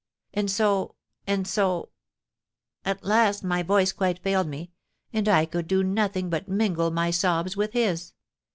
And so and so at last my voice quite failed me, and I could do nothing but mingle my sobs with his.